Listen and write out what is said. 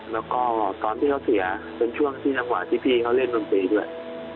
แล้วก็ตอนที่เขาเสียเป็นช่วงที่จังหวะที่พี่เขาเล่นดนตรีด้วย